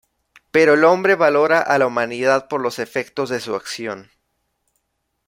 Pero el hombre valora a la humanidad por los efectos de su acción.